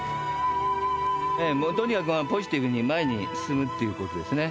もうとにかく、ポジティブに前に進むってことですね。